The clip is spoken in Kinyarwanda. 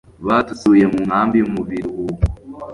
badusuye mu nkambi mu biruhuko